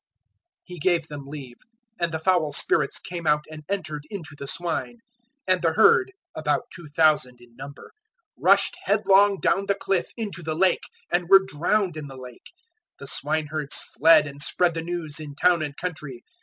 005:013 He gave them leave; and the foul spirits came out and entered into the swine, and the herd about 2,000 in number rushed headlong down the cliff into the Lake and were drowned in the Lake. 005:014 The swineherds fled, and spread the news in town and country.